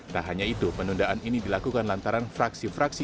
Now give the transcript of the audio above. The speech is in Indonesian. tak hanya itu penundaan ini dilakukan lantaran fraksi fraksi